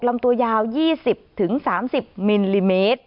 ลำตัวยาว๒๐๓๐มิลลิเมตร